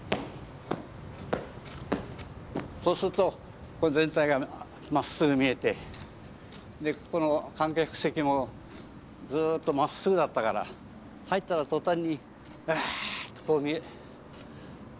そうすると全体がまっすぐ見えてでここの観客席もずっとまっすぐだったから入ったら途端にバッとこう見える。